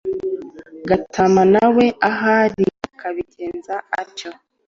Gatama na we aho ari akabigenza atyo.